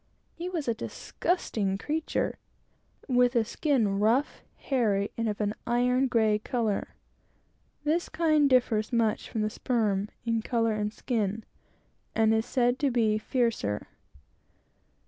He was a disgusting creature; with a skin rough, hairy, and of an iron grey color. This kind differs much from the sperm, in color and skin, and is said to be fiercer.